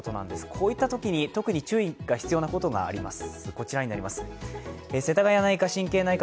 こういったときに特に注意が必要なことがあります。